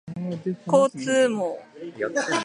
交通網